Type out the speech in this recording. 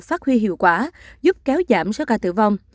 phát huy hiệu quả giúp kéo giảm số ca tử vong